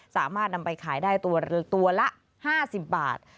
สามารถนำไปขายได้ตัวละ๕๐บาท